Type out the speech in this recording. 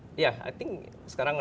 i think sekarang risknya masih